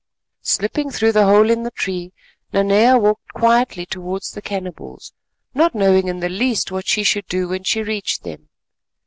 Slipping through the hole in the tree, Nanea walked quietly towards the cannibals—not knowing in the least what she should do when she reached them.